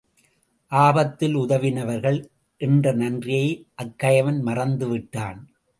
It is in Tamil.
ஆபத்தில் உதவினவர்கள் என்ற நன்றியை அக்கயவன் மறந்துவிட்டான்.